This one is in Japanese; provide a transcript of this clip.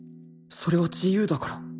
それは自由だから